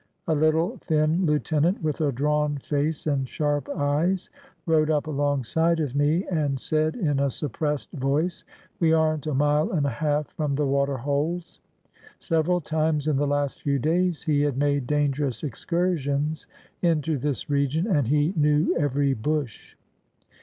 A Httle thin lieutenant with a drawn face and sharp eyes rode up alongside of me and said, in a suppressed voice: "We are n't a mile and a half from the water holes." Several times in the last few days he had made dangerous excursions into this region, and he knew every bush.